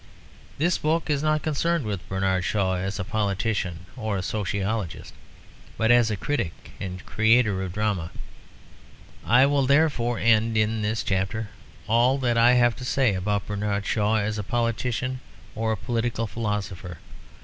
This book is not concerned with Bernard Shaw as a politician or a sociologist, but as a critic and creator of drama. I will therefore end in this chapter all that I have to say about Bernard Shaw as a politician or a political philosopher.